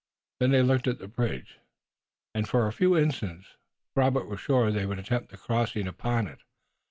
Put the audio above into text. Then they looked at the bridge, and, for a few instants, Robert was sure they would attempt the crossing upon it.